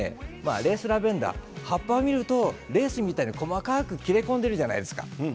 葉っぱを見るとレースみたいに細かく切れ込んでいるじゃないですか。